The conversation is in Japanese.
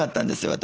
私。